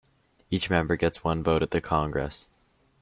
Each member gets one vote at the Congress.